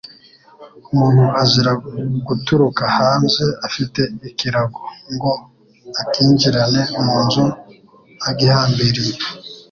Umuntu azira guturuka hanze afite ikirago, ngo akinjirane mu nzu agihambiriye,